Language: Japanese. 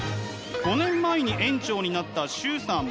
５年前に園長になった崇さん。